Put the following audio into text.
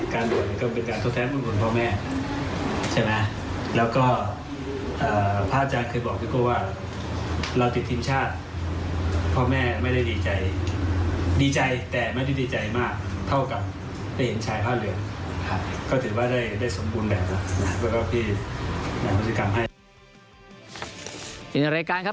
การบ่นก็เป็นการโทะแท้บลบนพ่อแม่ใช่ไหมแล้วก็อ่า